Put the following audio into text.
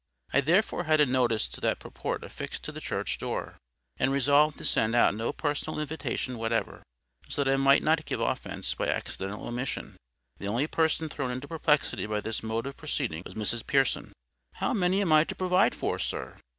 I therefore had a notice to that purport affixed to the church door; and resolved to send out no personal invitations whatever, so that I might not give offence by accidental omission. The only person thrown into perplexity by this mode of proceeding was Mrs. Pearson. "How many am I to provide for, sir?"